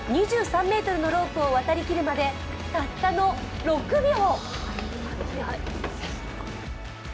２３ｍのロープを渡り切るまでたったの６秒。